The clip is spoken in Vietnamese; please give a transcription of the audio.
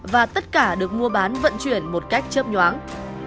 và tất cả được mua bán vận chuyển một cách chấp nhoáng